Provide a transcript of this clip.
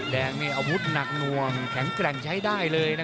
แดงนี่อาวุธหนักหน่วงแข็งแกร่งใช้ได้เลยนะ